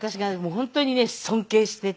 本当にね尊敬していて。